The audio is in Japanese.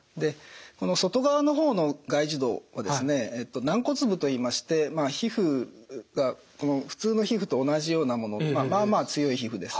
外側の方の外耳道は軟骨部といいまして普通の皮膚と同じようなものまあまあ強い皮膚です。